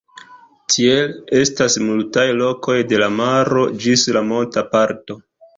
Tiel, estas multaj lokoj de la maro ĝis la monta parto.